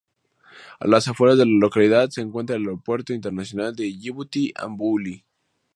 A las afueras de la localidad, se encuentra el Aeropuerto Internacional de Yibuti-Ambouli.